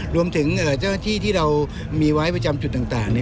รวมถึงที่ที่เรามีไว้ประจำจุดต่างเนี่ย